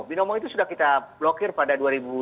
binomo itu sudah kita blokir pada dua ribu sembilan belas